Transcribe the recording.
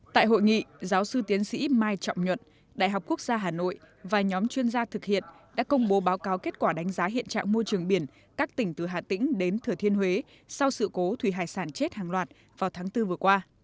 tại hội nghị giáo sư tiến sĩ mai trọng nhuận đại học quốc gia hà nội và nhóm chuyên gia thực hiện đã công bố báo cáo kết quả đánh giá hiện trạng môi trường biển các tỉnh từ hà tĩnh đến thừa thiên huế sau sự cố thủy hải sản chết hàng loạt vào tháng bốn vừa qua